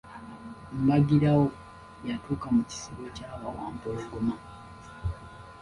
Mbagirawo, yatuuka mu kisibo kya bawampologoma.